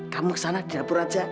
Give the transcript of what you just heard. kamu ke sana di dapur aja